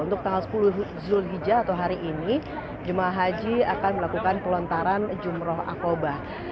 untuk tanggal sepuluh zulhijjah atau hari ini jemaah haji akan melakukan pelontaran jumroh akobah